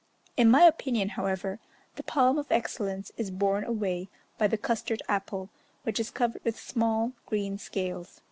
In my opinion, however, the palm of excellence is borne away by the "custard apple," which is covered with small green scales.